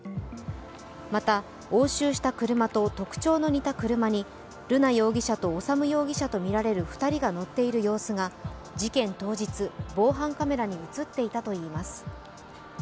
また押収した車と特徴の似た車に瑠奈容疑者と修容疑者とみられる２人が乗っている様子が事件当日、防犯カメラに映っていたといいます。